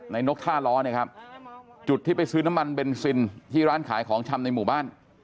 นกท่าล้อนะครับจุดที่ไปซื้อน้ำมันเบนซินที่ร้านขายของชำในหมู่บ้าน